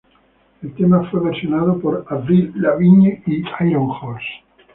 El tema fue versionado por Avril Lavigne y Iron Horse.